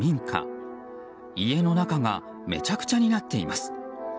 家の中がめちゃくちゃになっています。